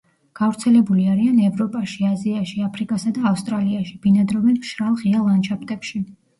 გავრცელებული არიან ევროპაში, აზიაში, აფრიკასა და ავსტრალიაში; ბინადრობენ მშრალ ღია ლანდშაფტებში.